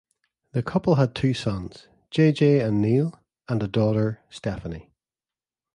The couple had two sons, J. J. and Neil, and a daughter, Stephanie.